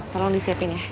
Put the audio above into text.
tolong disiapin ya